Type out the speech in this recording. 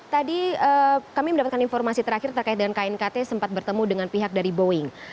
tadi kami mendapatkan informasi terakhir terkait dengan knkt sempat bertemu dengan pihak dari boeing